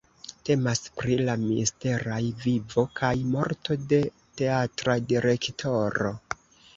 Temas pri la misteraj vivo kaj morto de teatra direktoro.